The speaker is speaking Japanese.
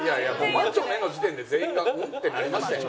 「まちょね」の時点で全員が「ん？」ってなりましたよ。